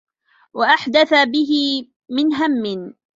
وَأَحْدَثَ بِهِ مِنْ هَمٍّ